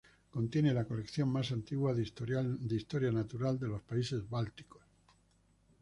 Contiene la colección más antigua de historia natural de los países bálticos.